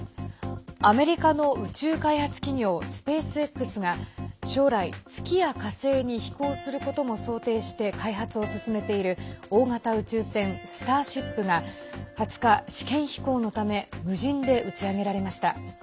アメリカの宇宙開発企業スペースＸが将来月や火星に飛行することも想定して開発を進めている大型宇宙船「スターシップ」が２０日、試験飛行のため無人で打ち上げられました。